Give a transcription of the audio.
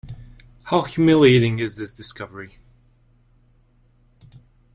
How humiliating is this discovery!